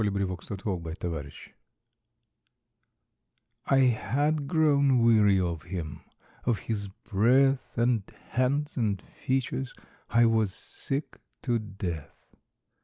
THOU SHALT NOT KILL I had grown weary of him; of his breath And hands and features I was sick to death.